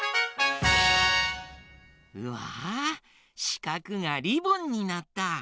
わあしかくがリボンになった！